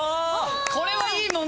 これはいい問題！